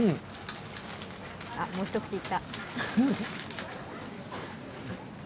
あっ、もう一口いった。